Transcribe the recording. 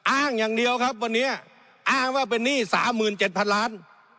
อ้างอย่างเดียวครับวันนี้อ้างว่าเป็นหนี้๓๗๐๐ล้าน